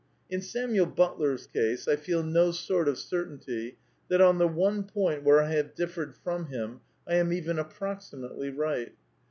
In Samuel Butler's case I feel no sort of certainty that, on the one point where I have differed from him, I am even approximately right.